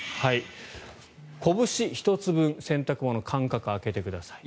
こぶし１つ分洗濯物の間隔を空けてください。